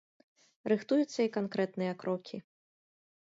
Рыхтуюцца і канкрэтныя крокі.